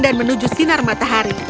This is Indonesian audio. dan menuju sinar matahari